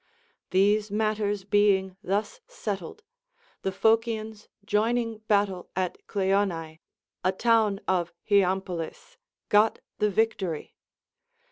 These matters being thus settled, the Phocians joining battle at Cleonae, a town of Hyampolis, got the victory.